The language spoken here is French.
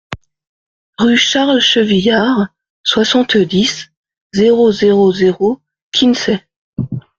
Rue Charles Chevillard, soixante-dix, zéro zéro zéro Quincey